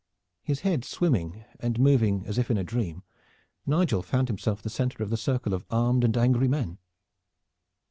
His head swimming, and moving as if in a dream, Nigel found himself the center of the circle of armed and angry men.